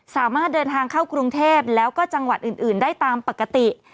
สามารถเดินทางเข้ากรุงเทพแล้วก็จังหวัดอื่นได้ตามปกติ